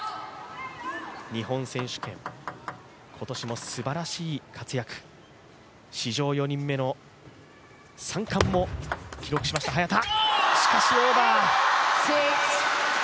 日本選手権、今年もすばらしい活躍史上４人目の３冠も記録しました早田。